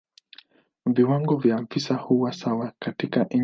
Viwango vya visa huwa sawa katika nchi zote na hutegemea sana namna ya utambuzi.